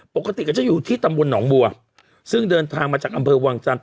ปกติก็จะอยู่ที่ตำบลหนองบัวซึ่งเดินทางมาจากอำเภอวังจันท